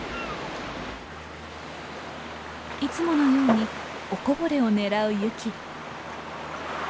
いつものようにおこぼれを狙うユキ。